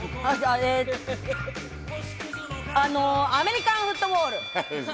アメリカンフットボール。